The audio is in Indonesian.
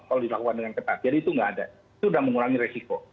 kalau dilakukan dengan ketat jadi itu nggak ada itu sudah mengurangi resiko